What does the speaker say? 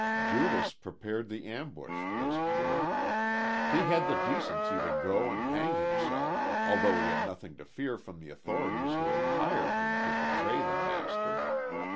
Judas prepared the ambush, as it were. He had the decency to go and hang himself, although he had nothing to fear from the authorities who had hired him to betray the Master.